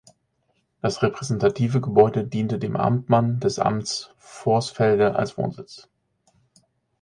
Das repräsentative Gebäude diente dem Amtmann des Amtes Vorsfelde als Wohnsitz.